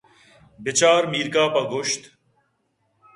بچار میرکاف ءَ گوٛشت